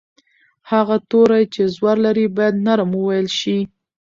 هغه توری چې زور لري باید نرم وویل شي.